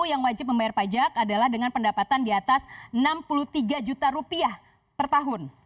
yang wajib membayar pajak adalah dengan pendapatan di atas enam puluh tiga juta rupiah per tahun